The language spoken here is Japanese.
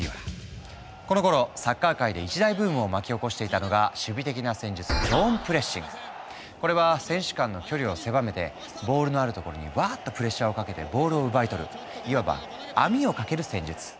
このころサッカー界で一大ブームを巻き起こしていたのが守備的な戦術これは選手間の距離を狭めてボールのあるところにわっとプレッシャーをかけてボールを奪い取るいわば網をかける戦術。